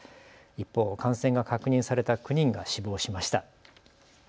一方、感染が確認された９人が死亡しました。